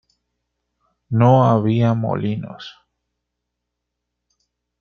No había molinos.